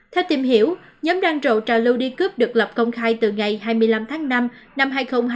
theo tìm hiểu nhóm đăng trộn trà lưu đi cướp được lập công khai từ ngày hai mươi năm tháng năm năm hai nghìn hai mươi một